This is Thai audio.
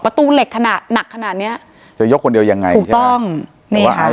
เหล็กขนาดหนักขนาดเนี้ยจะยกคนเดียวยังไงถูกต้องนี่นะคะ